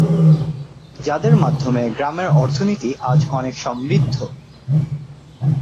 যাদের মাধ্যমে গ্রামের অর্থনীতি আজ অনেক সমৃদ্ধ।